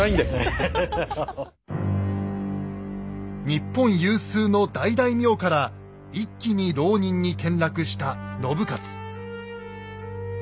日本有数の大大名から一気に浪人に転落した信雄。